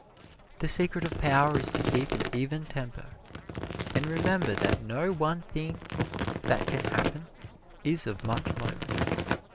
The secret of power is to keep an even temper, and remember that no one thing that can happen is of much moment.